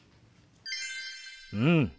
うん！